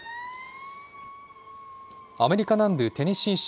アメリカ南部テネシー州